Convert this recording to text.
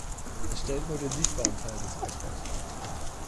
Es stellt nur den sichtbaren Teil des Eisbergs dar.